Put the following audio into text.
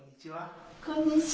こんにちは。